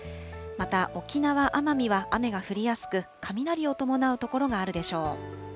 また沖縄・奄美は雨が降りやすく、雷を伴う所があるでしょう。